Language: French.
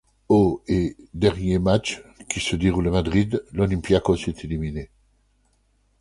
Au et dernier match, qui se déroule à Madrid, l'Olympiakós est éliminé.